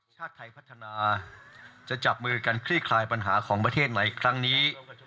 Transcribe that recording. ชาติไทยพัฒนาจะจับมือกันคลี่คลายปัญหาของประเทศใหม่ครั้งนี้